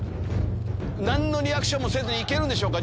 何のリアクションもせずに行けるんでしょうか？